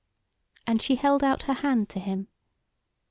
And she held out her hand to him.